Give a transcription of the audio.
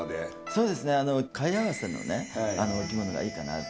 そうですね貝合わせのお着物がいいかなって。